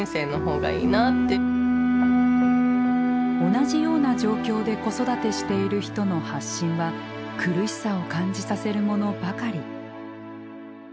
同じような状況で子育てしている人の発信は苦しさを感じさせるものばかり。